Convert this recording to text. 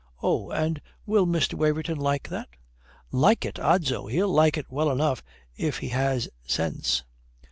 "Oh. And will Mr. Waverton like that?" "Like it! Odso, he'll like it well enough if he has sense."